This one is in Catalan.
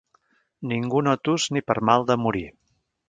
Ningú no tus ni per mal de morir.